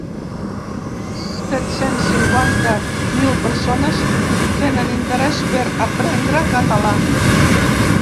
Set-cents cinquanta mil persones tenen interès per a aprendre català.